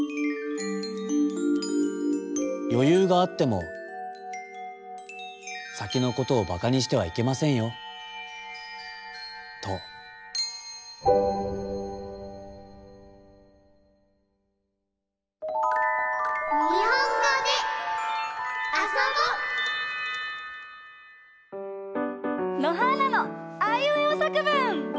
「よゆうがあってもさきのことをばかにしてはいけませんよ」と。のはーなの「あいうえおさくぶん」！